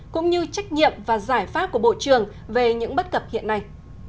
cũng như trách nhiệm và giải pháp của bộ trưởng về những bất cập hiện nay